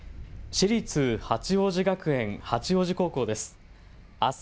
私立八王子学園八王子高校です。